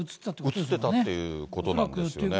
映ってたっていうことなんですよね。